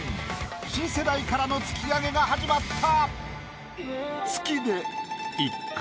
新世代からの突き上げが始まった。